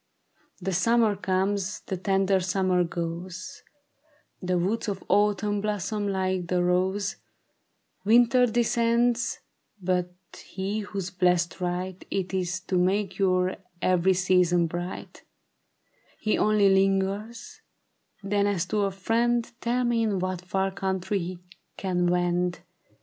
The summer comes ; the tender summer goes ; The woods of Autumn blossom like the rose ; Winter descends ; but he whose blessed right It is to make your every season bright, He only lingers ; then as to a friend Tell me in what far country he can wend.